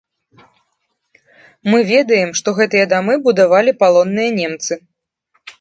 Мы ведаем, што гэтыя дамы будавалі палонныя немцы.